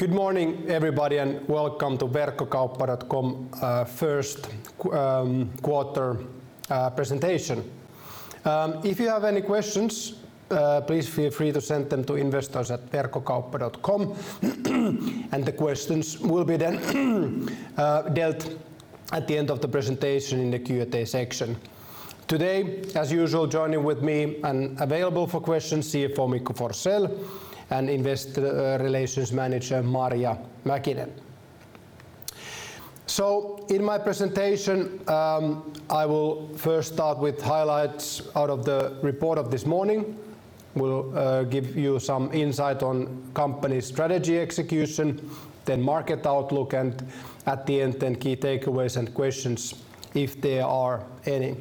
Good morning everybody and welcome to Verkkokauppa.com, First Quarter Presentation. If you have any questions, please feel free to send them to investors@verkkokauppa.com, and the questions will be then dealt at the end of the presentation in the Q&A section. Today, as usual, joining with me and available for questions, CFO Mikko Forsell and Investor Relations Manager Marja Mäkinen. In my presentation, I will first start with highlights out of the report of this morning. We'll give you some insight on company strategy execution, then market outlook, and at the end, then key takeaways and questions if there are any.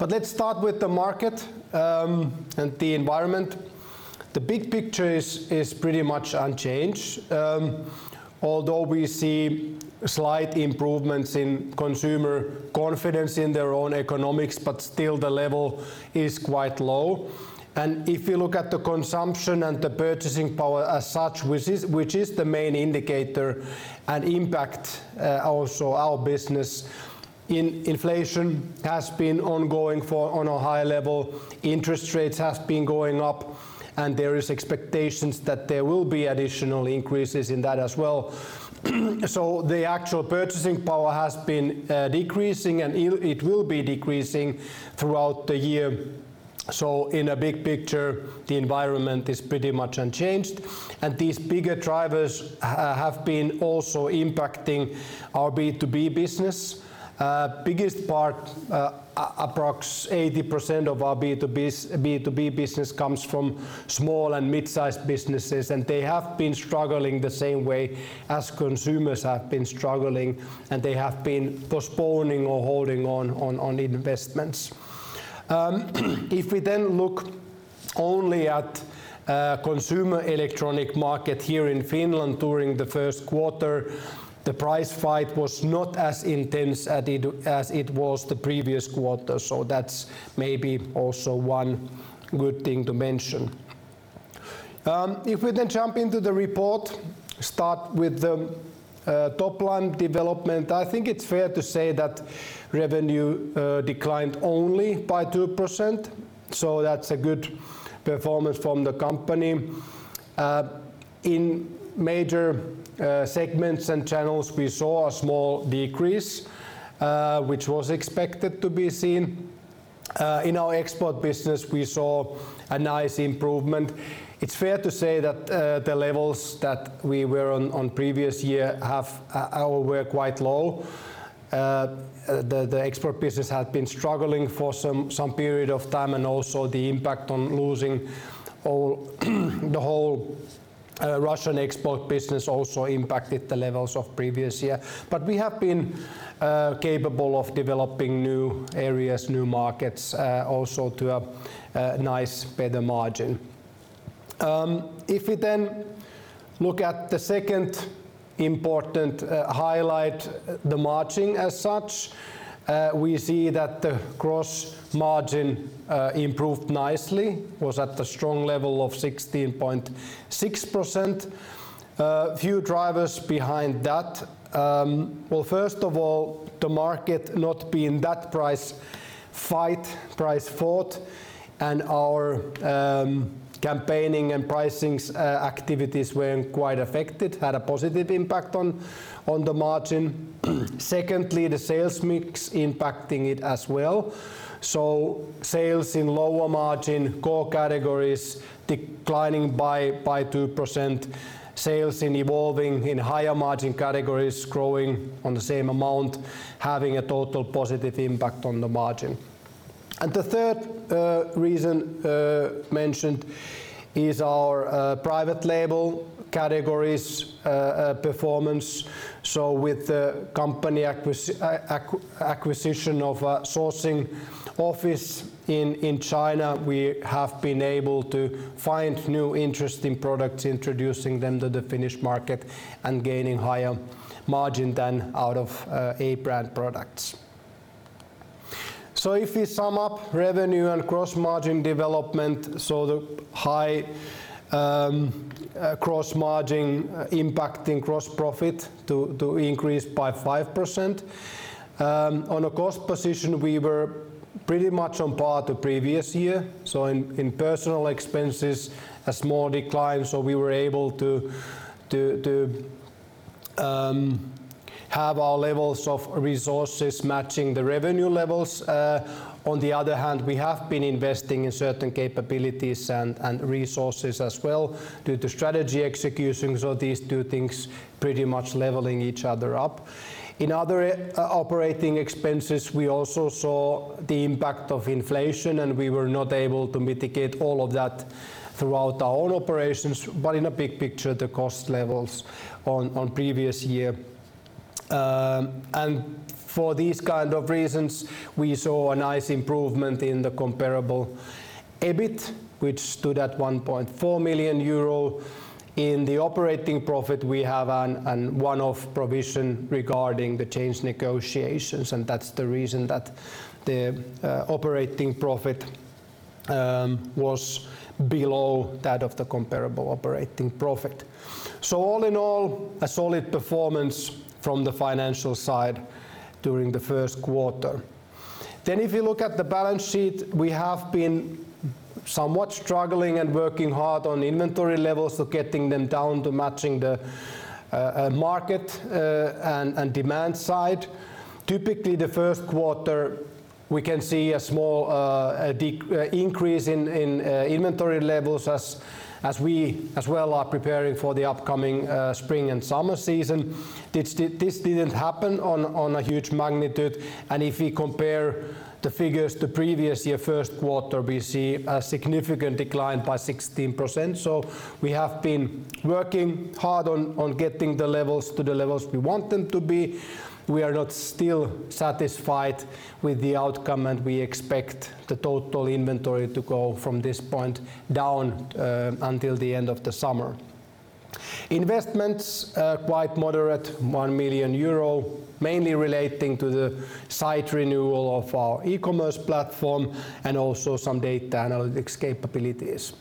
Let's start with the market and the environment. The big picture is pretty much unchanged, although we see slight improvements in consumer confidence in their own economics, but still the level is quite low. If you look at the consumption and the purchasing power as such, which is the main indicator and impact, also our business, inflation has been ongoing for on a high level, interest rates has been going up, and there is expectations that there will be additional increases in that as well. The actual purchasing power has been decreasing, and it will be decreasing throughout the year. In a big picture, the environment is pretty much unchanged. These bigger drivers have been also impacting our B2B business. Biggest part, approx 80% of our B2B business comes from small and mid-sized businesses, and they have been struggling the same way as consumers have been struggling, and they have been postponing or holding on investments. If we look only at consumer electronics market here in Finland during the first quarter, the price fight was not as intense as it was the previous quarter. That's maybe also one good thing to mention. If we jump into the report, start with the top-line development, I think it's fair to say that revenue declined only by 2%, that's a good performance from the company. In major segments and channels, we saw a small decrease, which was expected to be seen. In our export business, we saw a nice improvement. It's fair to say that the levels that we were on previous year have or were quite low. The export business had been struggling for some period of time, also the impact on losing the whole Russian export business also impacted the levels of previous year. We have been capable of developing new areas, new markets, also to a nice better margin. If we look at the second important highlight, the margin as such, we see that the gross margin improved nicely, was at the strong level of 16.6%. Few drivers behind that. Well, first of all, the market not being that price fight, price fought, our campaigning and pricings activities weren't quite affected, had a positive impact on the margin. Secondly, the sales mix impacting it as well. Sales in lower margin core categories declining by 2%, sales in higher margin categories growing on the same amount, having a total positive impact on the margin. The third reason mentioned is our private label categories performance. With the company acquisition of a sourcing office in China, we have been able to find new interesting products, introducing them to the Finnish market, and gaining higher margin than out of A-brand products. If we sum up revenue and gross margin development, gross margin impacting gross profit to increase by 5%. On a cost position, we were pretty much on par the previous year. In personal expenses, a small decline, so we were able to have our levels of resources matching the revenue levels. On the other hand, we have been investing in certain capabilities and resources as well due to strategy execution. These two things pretty much leveling each other up. In other operating expenses, we also saw the impact of inflation, and we were not able to mitigate all of that throughout our own operations, but in a big picture, the cost levels on previous year. For these kind of reasons, we saw a nice improvement in the comparable EBIT, which stood at 1.4 million euro. In the operating profit, we have an one-off provision regarding the change negotiations, and that's the reason that the operating profit was below that of the comparable operating profit. All in all, a solid performance from the financial side during the first quarter. If you look at the balance sheet, we have been somewhat struggling and working hard on inventory levels of getting them down to matching the market and demand side. Typically, the first quarter, we can see a small increase in inventory levels as we as well are preparing for the upcoming spring and summer season. This didn't happen on a huge magnitude, and if we compare the figures to previous year first quarter, we see a significant decline by 16%. We have been working hard on getting the levels to the levels we want them to be. We are not still satisfied with the outcome, and we expect the total inventory to go from this point down until the end of the summer. Investments are quite moderate, 1 million euro, mainly relating to the site renewal of our e-commerce platform and also some data analytics capabilities.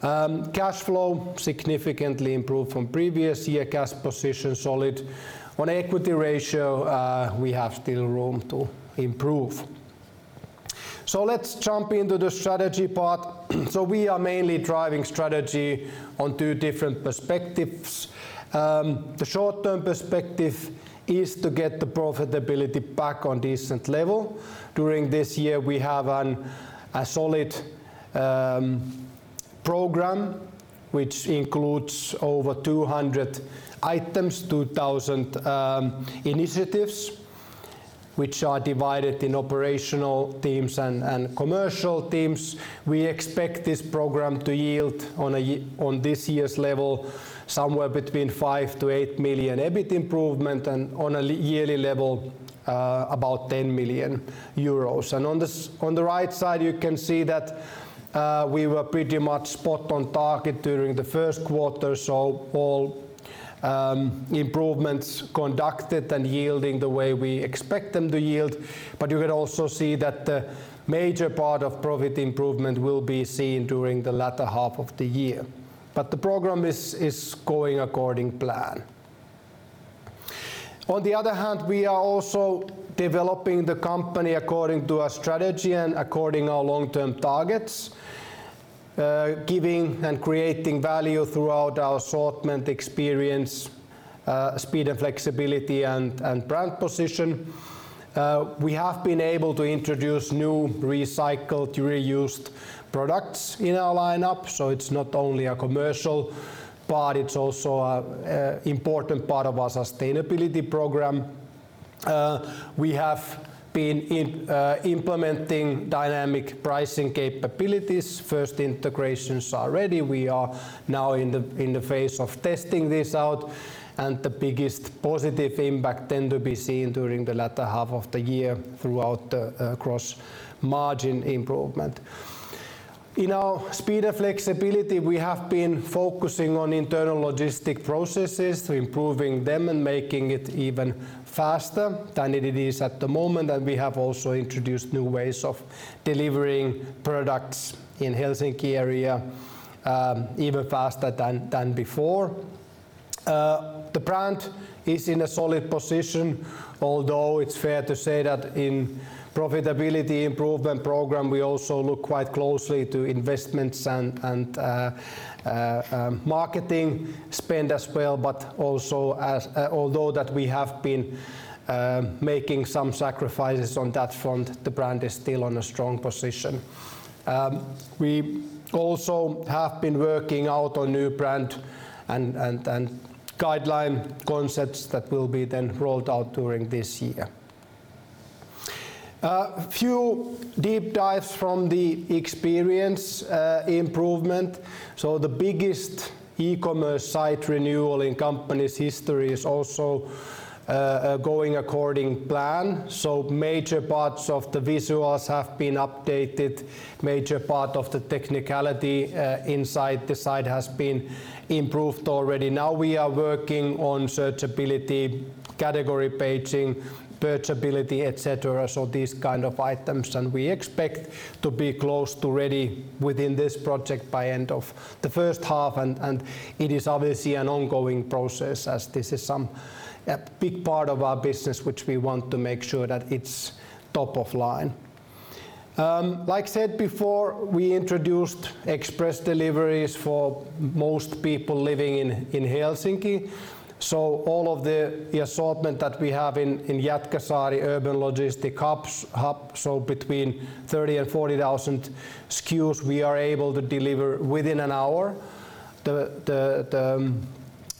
Cash flow significantly improved from previous year. Cash position solid. On equity ratio, we have still room to improve. Let's jump into the strategy part. We are mainly driving strategy on two different perspectives. The short-term perspective is to get the profitability back on decent level. During this year, we have a solid program which includes over 200 items, 2,000 initiatives, which are divided in operational teams and commercial teams. We expect this program to yield on this year's level somewhere between 5 to 8 million EBIT improvement and on a yearly level, about 10 million euros. On the right side, you can see that we were pretty much spot on target during the first quarter. All improvements conducted and yielding the way we expect them to yield. You can also see that the major part of profit improvement will be seen during the latter half of the year. The program is going according plan. On the other hand, we are also developing the company according to our strategy and according our long-term targets, giving and creating value throughout our assortment experience, speed and flexibility, and brand position. We have been able to introduce new recycled, reused products in our lineup, so it's not only a commercial, but it's also a important part of our sustainability program. We have been implementing dynamic pricing capabilities. First integrations are ready. We are now in the phase of testing this out. The biggest positive impact tend to be seen during the latter half of the year throughout the gross margin improvement. In our speed and flexibility, we have been focusing on internal logistic processes to improving them and making it even faster than it is at the moment. We have also introduced new ways of delivering products in Helsinki area even faster than before. The brand is in a solid position, although it's fair to say that in profitability improvement program, we also look quite closely to investments and marketing spend as well. Although that we have been making some sacrifices on that front, the brand is still on a strong position. We also have been working out on new brand and guideline concepts that will be then rolled out during this year. Few deep dives from the experience improvement. The biggest e-commerce site renewal in company's history is also going according plan. Major parts of the visuals have been updated. Major part of the technicality inside the site has been improved already. Now we are working on searchability, category paging, purchasability, et cetera, so these kind of items, and we expect to be close to ready within this project by end of the first half, and it is obviously an ongoing process as this is a big part of our business which we want to make sure that it's top of line. Like said before, we introduced express deliveries for most people living in Helsinki. All of the assortment that we have in Jätkäsaari urban logistics hub, so between 30,000 and 40,000 SKUs we are able to deliver within an hour. The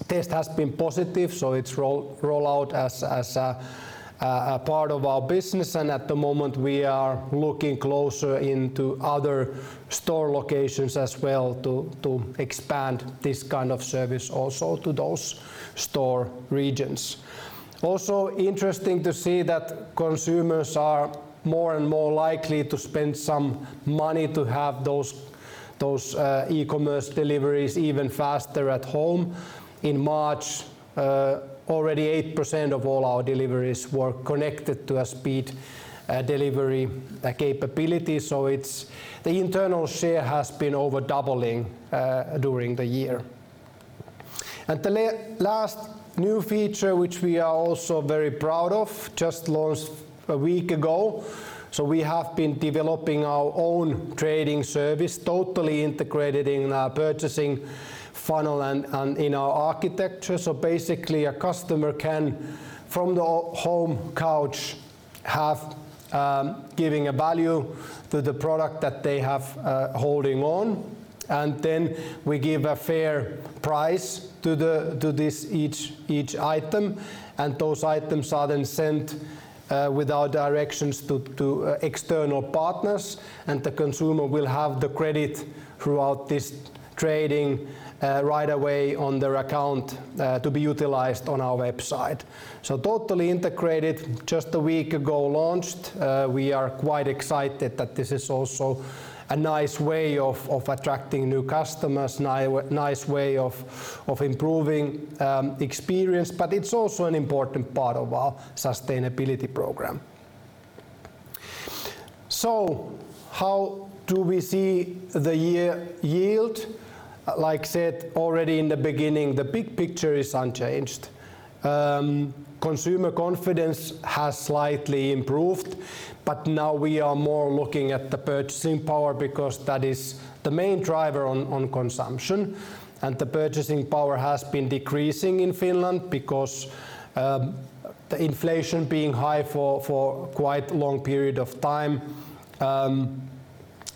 test has been positive, so it's roll out as a part of our business, and at the moment we are looking closer into other store locations as well to expand this kind of service also to those store regions. Also interesting to see that consumers are more and more likely to spend some money to have Those e-commerce deliveries even faster at home. In March, already 8% of all our deliveries were connected to a speed delivery capability. The internal share has been over doubling during the year. The last new feature which we are also very proud of just launched a week ago. We have been developing our own trade-in service, totally integrated in our purchasing funnel and in our architecture. Basically a customer can, from the home couch, have giving a value to the product that they have holding on. We give a fair price to this each item. Those items are then sent with our directions to external partners. The consumer will have the credit throughout this trading right away on their account to be utilized on our website. Totally integrated just a week ago launched. We are quite excited that this is also a nice way of attracting new customers, nice way of improving experience, but it's also an important part of our sustainability program. How do we see the year yield? Like said already in the beginning, the big picture is unchanged. Consumer confidence has slightly improved. Now we are more looking at the purchasing power because that is the main driver on consumption, and the purchasing power has been decreasing in Finland because the inflation being high for quite long period of time.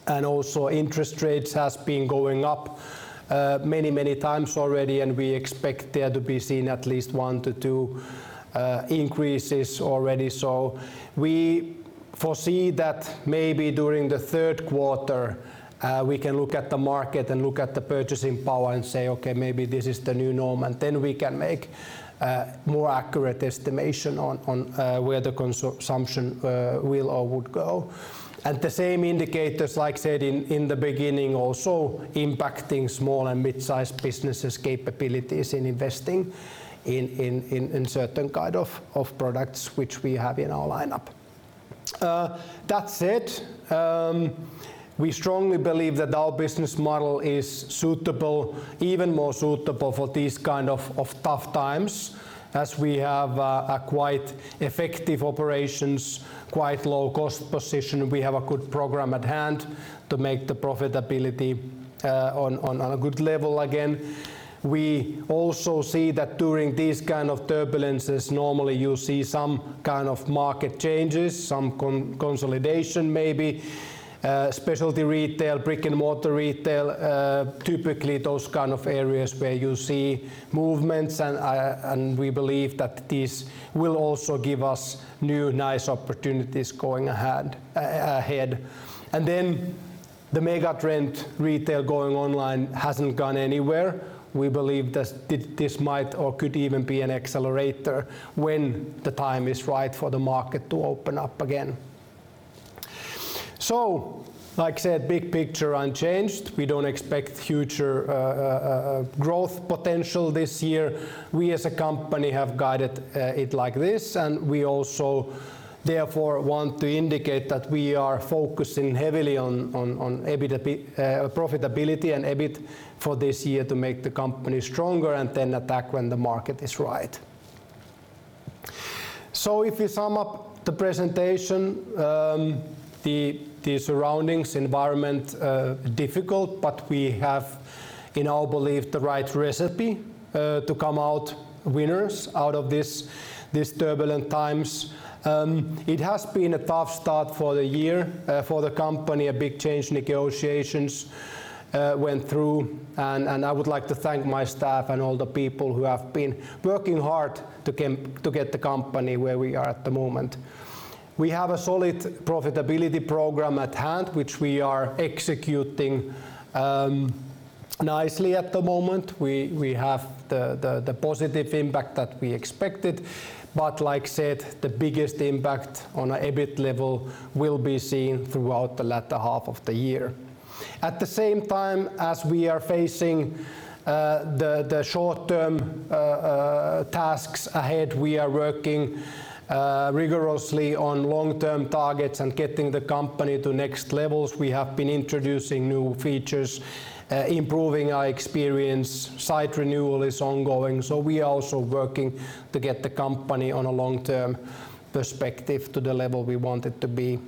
Also interest rates has been going up many, many times already, and we expect there to be seen at least one to two increases already. We foresee that maybe during the third quarter, we can look at the market and look at the purchasing power and say, "Okay, maybe this is the new norm." Then we can make a more accurate estimation on where the consumption will or would go. The same indicators, like said in the beginning, also impacting small and mid-sized businesses' capabilities in investing in certain kind of products which we have in our lineup. That said, we strongly believe that our business model is suitable, even more suitable for these kind of tough times, as we have a quite effective operations, quite low cost position. We have a good program at hand to make the profitability on a good level again. We also see that during these kind of turbulences, normally you see some kind of market changes, some consolidation maybe, specialty retail, brick-and-mortar retail, typically those kind of areas where you see movements. We believe that this will also give us new nice opportunities going ahead. The mega trend retail going online hasn't gone anywhere. We believe this might or could even be an accelerator when the time is right for the market to open up again. Like I said, big picture unchanged. We don't expect future growth potential this year. We as a company have guided it like this, and we also therefore want to indicate that we are focusing heavily on profitability and EBIT for this year to make the company stronger and then attack when the market is right. If you sum up the presentation, the surroundings environment are difficult, but we have, in our belief, the right recipe to come out winners out of this turbulent times. It has been a tough start for the year for the company. A big change negotiations went through. I would like to thank my staff and all the people who have been working hard to get the company where we are at the moment. We have a solid profitability program at hand, which we are executing nicely at the moment. We have the positive impact that we expected. Like I said, the biggest impact on our EBIT level will be seen throughout the latter half of the year. At the same time, as we are facing the short term tasks ahead, we are working rigorously on long-term targets and getting the company to next levels. We have been introducing new features, improving our experience. Site renewal is ongoing. We are also working to get the company on a long-term perspective to the level we want it to be.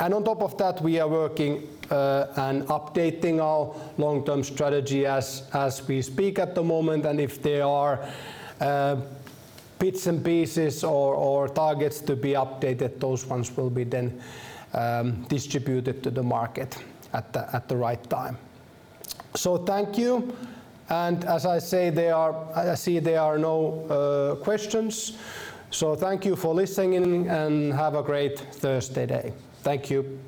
On top of that, we are working and updating our long-term strategy as we speak at the moment. If there are bits and pieces or targets to be updated, those ones will be then distributed to the market at the right time. Thank you. As I say, I see there are no questions. Thank you for listening, and have a great Thursday day. Thank you.